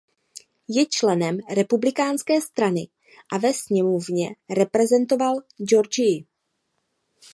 Je členem Republikánské strany a ve sněmovně reprezentoval Georgii.